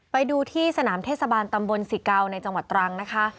ไปดูที่สนามเทศบาลตำบลสิเกาในจังหวัดตรังนะคะ